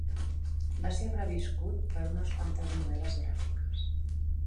Va ser reviscut per unes quantes novel·les gràfiques.